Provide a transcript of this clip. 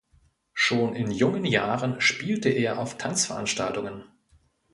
Schon in jungen Jahren spielte er auf Tanzveranstaltungen.